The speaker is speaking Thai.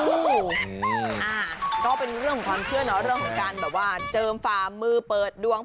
โอ้โหก็เป็นเรื่องของความเชื่อเนอะเรื่องของการแบบว่าเจิมฝ่ามือเปิดดวง